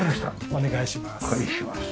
お願いします。